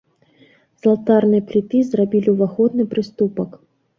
З алтарнай пліты зрабілі ўваходны прыступак.